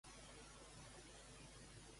Vull tenir dni català